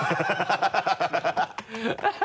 ハハハ